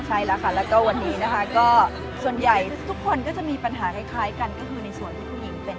ใช่แล้วค่ะแล้วก็วันนี้นะคะก็ส่วนใหญ่ทุกคนก็จะมีปัญหาคล้ายกันก็คือในส่วนที่ผู้หญิงเป็น